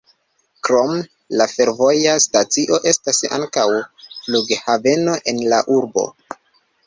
Krom la fervoja stacio estas ankaŭ flughaveno en la urbo.